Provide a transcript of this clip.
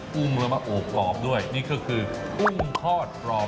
กุ้งแล้วมาโอบกรอบด้วยนี่ก็คือกุ้งทอดกรอบ